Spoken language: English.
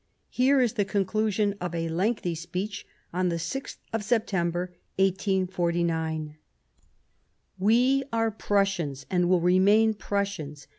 Here is the conclusion of a lengthy speech on the 6th of September, 1849 :" We are Prussians, and will remain Prussians.